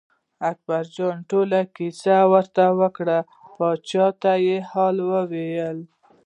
اکبرجان ټوله کیسه ورته وکړه پاچا ته حال ویل.